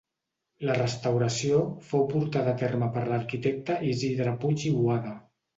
La restauració fou portada terme per l'arquitecte Isidre Puig i Boada.